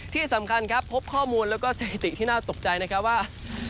ที่สำคัญครับพบข้อมูลแล้วก็สถิติที่น่าตกใจนะครับว่า